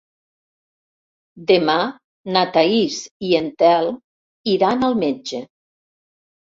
Demà na Thaís i en Telm iran al metge.